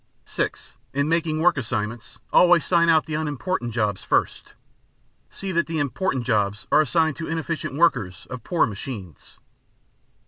(6) In making work assignments, always sign out the unimportant jobs first. See that the important jobs are assigned to inefficient workers of poor machines.